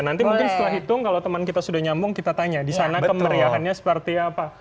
nanti mungkin setelah hitung kalau teman kita sudah nyambung kita tanya di sana kemeriahannya seperti apa